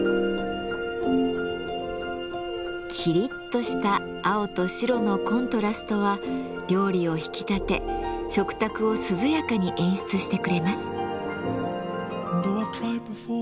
きりっとした青と白のコントラストは料理を引き立て食卓を涼やかに演出してくれます。